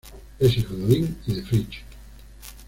Es hijo de Odín y de Frigg.